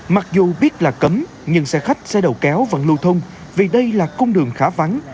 mặc dù biết là cấm nhưng xe khách xe đầu kéo vẫn lưu thông vì đây là cung đường khá vắng